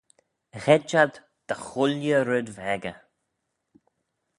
Gheid ad dagh ooilley red v'echey.